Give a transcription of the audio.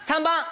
３番！